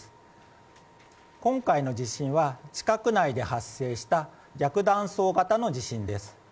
今回の地震は、地殻内で発生した逆断層型の地震です。